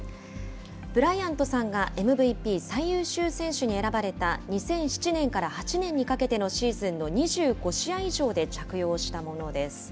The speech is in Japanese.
ブライアントさんが、ＭＶＰ・最優秀選手に選ばれた２００７年から８年にかけてのシーズンの２５試合以上で着用したものです。